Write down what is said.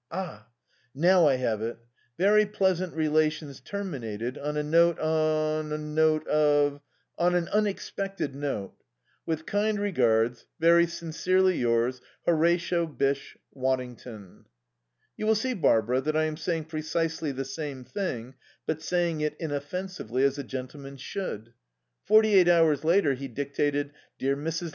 "Ah now I have it. 'Very pleasant relations terminated on a note on a note of on an unexpected note. "'With kind regards, very sincerely yours, "'HORATIO BYSSHE WADDINGTON.' "You will see, Barbara, that I am saying precisely the same thing, but saying it inoffensively, as a gentleman should." Forty eight hours later he dictated: "'DEAR MRS.